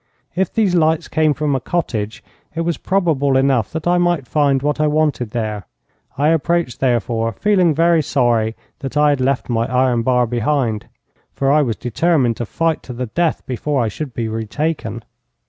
If these lights came from a cottage, it was probable enough that I might find what I wanted there. I approached, therefore, feeling very sorry that I had left my iron bar behind; for I was determined to fight to the death before I should be retaken.